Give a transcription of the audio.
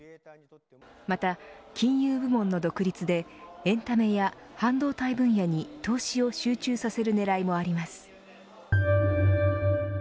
また、金融部門の独立でエンタメや半導体分野に投資を集中させる狙いもあります。